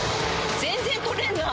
全然取れんなぁ。